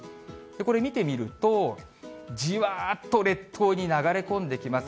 これ見てみると、じわーっと列島に流れ込んできます。